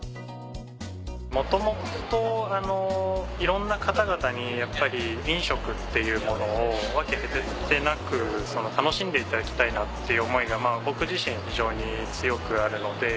元々いろんな方々にやっぱり飲食っていうものを分け隔てなく楽しんでいただきたいなっていう思いが僕自身非常に強くあるので。